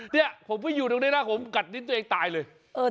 เนี่ยผมไปอยู่ตรงนี้นะผมกัดลิ้นตัวเองตายเลย